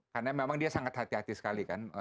karena memang dia sangat hati hati sekali kan